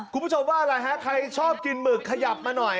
คุณผู้ชมว่าอะไรฮะใครชอบกินหมึกขยับมาหน่อย